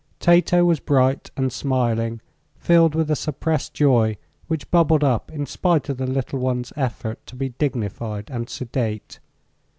Tato was bright and smiling, filled with a suppressed joy which bubbled up in spite of the little one's effort to be dignified and sedate.